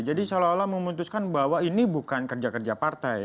jadi seolah olah memutuskan bahwa ini bukan kerja kerja partai